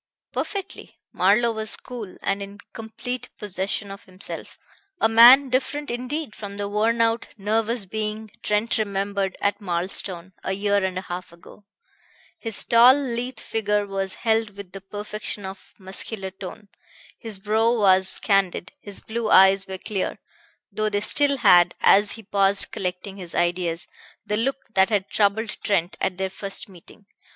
"Perfectly." Marlowe was cool and in complete possession of himself, a man different indeed from the worn out, nervous being Trent remembered at Marlstone a year and a half ago. His tall, lithe figure was held with the perfection of muscular tone. His brow was candid, his blue eyes were clear, though they still had, as he paused collecting his ideas, the look that had troubled Trent at their first meeting.